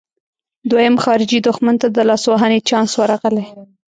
دویم خارجي دښمن ته د لاسوهنې چانس ورغلی.